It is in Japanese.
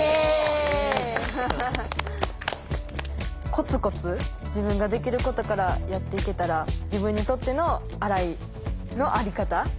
コツコツ自分ができることからやっていけたら自分にとってのアライの在り方になれるかなと思うので。